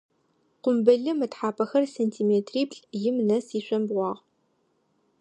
Къумбылым ытхьапэхэр сантиметриплӏ-им нэс ишъомбгъуагъ.